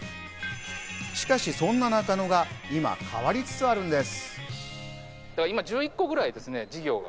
しかし、そんな中野が今、変わりつつあるんです。